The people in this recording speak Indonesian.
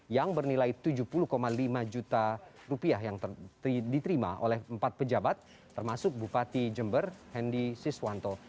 yang bernilai tujuh puluh lima juta rupiah yang diterima oleh empat pejabat termasuk bupati jember hendi siswanto